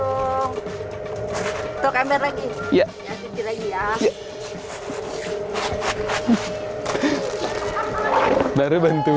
jamur hutan supaya tidak mengusul sama sekali dengan jepang atau lain booz particularly dan terhadap para penunda yang bunuksen